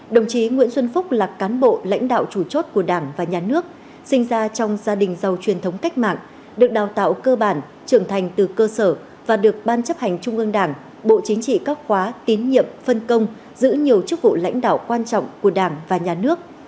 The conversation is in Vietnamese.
đồng chí nguyễn xuân phúc là cán bộ lãnh đạo chủ chốt của đảng và nhà nước sinh ra trong gia đình giàu truyền thống cách mạng được đào tạo cơ bản trưởng thành từ cơ sở và được ban chấp hành trung ương đảng bộ chính trị các khóa tín nhiệm phân công giữ nhiều chức vụ lãnh đạo quan trọng của đảng và nhà nước